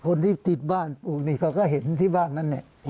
คนที่ติดบ้านปลูกนี่เขาก็เห็นที่บ้านนั้นเนี่ย